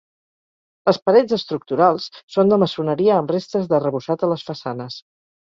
Les parets estructurals són de maçoneria amb restes d'arrebossat a les façanes.